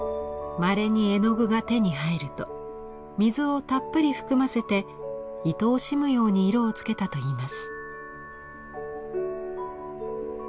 まれに絵の具が手に入ると水をたっぷり含ませていとおしむように色をつけたといいます。